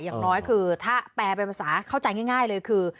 อย่างน้อยคือถ้าแปลเป็นภาษาเข้าใจง่ายเลยคือ